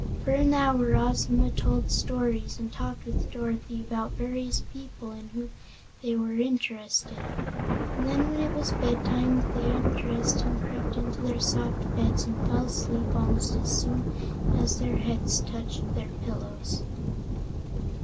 For an hour Ozma told stories, and talked with Dorothy about various people in whom they were interested. And then it was bedtime, and they undressed and crept into their soft beds and fell asleep almost as soon as their heads touched their pillows.